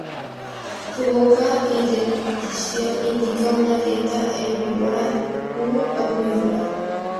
Su boca y dentición indican una dieta herbívora u omnívora.